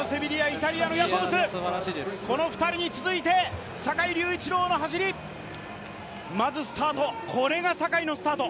イタリアのヤコブスこの２人に続いて坂井隆一郎の走りまずスタート、これが坂井のスタート。